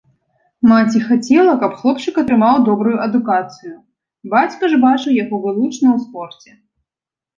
Маці хацела, каб хлопчык атрымаў добрую адукацыю, бацька ж бачыў яго вылучна ў спорце.